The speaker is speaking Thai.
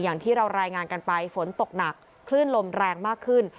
อย่างที่เรารายงานกันไปฝนตกหนักคลื่นลมแรงมากขึ้น